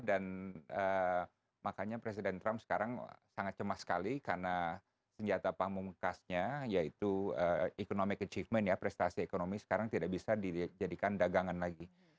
makanya presiden trump sekarang sangat cemas sekali karena senjata pamungkasnya yaitu economic achievement ya prestasi ekonomi sekarang tidak bisa dijadikan dagangan lagi